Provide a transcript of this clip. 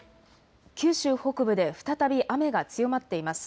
九州北部で再び雨が強まっています。